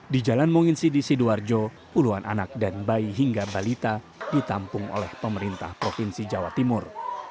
di jalan monginsidi sidoarjo puluhan anak dan bayi hingga balita ditampung oleh pemerintah provinsi jawa timur